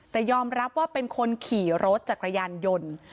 แต่ยอมรับว่าเป็นคนขี่รถจักรยานยนต์